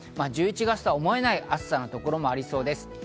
１１月とは思えない暑さのところもありそうです。